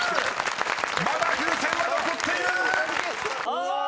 ［まだ風船は残っている！］